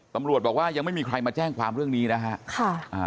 ตำรวจบอกว่ายังไม่มีใครมาแจ้งความเรื่องนี้นะฮะค่ะอ่า